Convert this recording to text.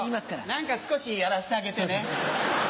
何か少しやらせてあげてね。